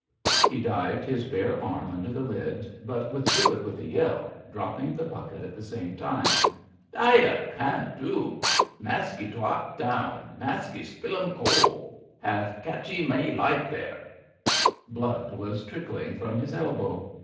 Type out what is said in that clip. " He dived his bare arm under the lid, but with drew it with a yell, dropping the bucket at the same time. Hya! Can do. Maskee dlop down — ^masky spilum coal. Have catchee my light there.'^ Blood was trickling from his elbow.